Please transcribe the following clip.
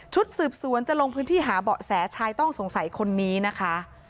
สืบสวนจะลงพื้นที่หาเบาะแสชายต้องสงสัยคนนี้นะคะ